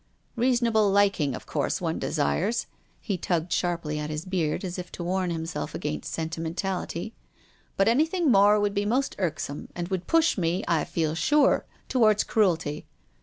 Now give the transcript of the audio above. Reasonable liking, of course, one desires," he tugged sharply at his beard, as if to warn himself against sentimen tality, —" but anything more would be most irk «?ome, and would push me, I feel sure, towards cruelty.